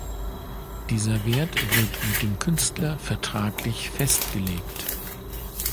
Dieser Wert wird mit dem Künstler vertraglich festgelegt.